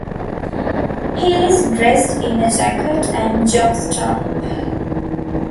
He is dressed in a jacket and jock strap.